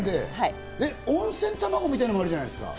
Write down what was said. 温泉卵みたいなのもあるじゃないですか。